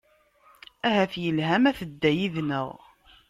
Ahat yelha ma tedda yid-nneɣ.